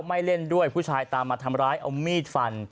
เล่นด้วยผู้ชายตามมาทำร้ายเอามีดฟัน